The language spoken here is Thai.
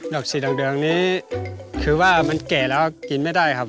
อกสีแดงนี้คือว่ามันแก่แล้วกินไม่ได้ครับ